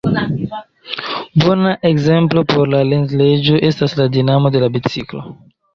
Bona ekzemplo por la Lenz-leĝo estas la dinamo de la biciklo.